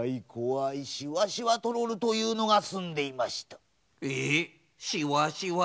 しわしわトロルというのがすんでいました。